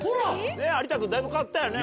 ねぇ有田君だいぶ変わったよね。